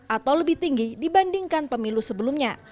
atau lebih tinggi dibandingkan pemilu sebelumnya